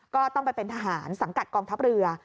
ก็ต้องไปเป็นทหารสังกัดกองทัพเรือ